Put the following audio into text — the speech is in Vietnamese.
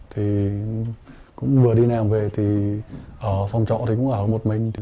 thì cũng vừa đi làm về thì ở phòng trọ thì cũng ở một mình